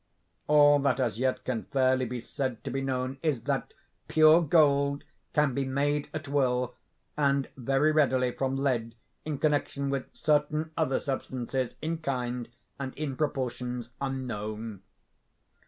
All that as yet can fairly be said to be known is, that 'Pure gold can be made at will, and very readily from lead in connection with certain other substances, in kind and in proportions, unknown.